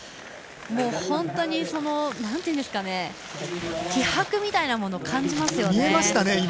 本当に、気迫みたいなものを感じますね。